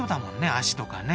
脚とかね。